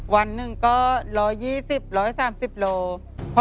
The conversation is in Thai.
วันหนึ่งก็๑๒๐๑๓๐กิโลกรัม